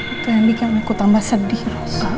itu yang bikin aku tambah sedih